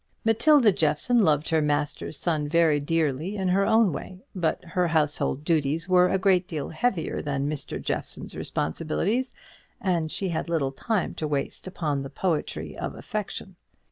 Matilda Jeffson loved her master's son very dearly in her own way; but her household duties were a great deal heavier than Mr. Jeffson's responsibilities, and she had little time to waste upon the poetry of affection.